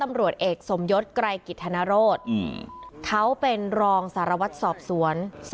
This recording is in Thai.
มีกล้วยติดอยู่ใต้ท้องเดี๋ยวพี่ขอบคุณ